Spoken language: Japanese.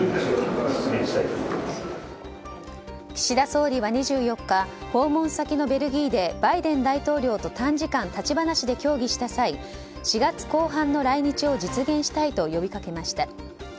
岸田総理は２４日訪問先のベルギーでバイデン大統領と短時間、立ち話で協議した際４月後半の来日を実現したいと呼びかけました。